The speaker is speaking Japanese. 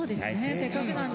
せっかくなんで。